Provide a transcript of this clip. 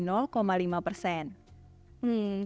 nah ini bisa kita lihat dulu